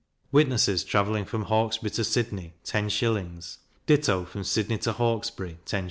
Witnesses, travelling from Hawkesbury to Sydney, 10s.; ditto, from Sydney to Hawkesbury, 10s.